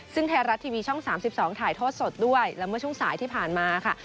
ซึ่งแทรนรัฐทีวีช่องสามสิบสองถ่ายโทษสดด้วยแล้วเมื่อช่วงสายที่ผ่านมาค่ะ